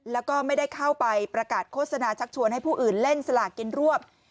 แล้วก็ไม่ได้เข้าไปประกาศโฆษณาชักชวนให้ผู้อื่นเล่นสลากกินรวบ